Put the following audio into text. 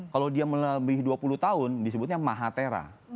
kalau dia melebihi dua puluh tahun disebutnya mahatera